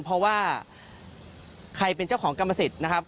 เพราะว่าใครเป็นเจ้าของกรรมสิทธิ์นะครับ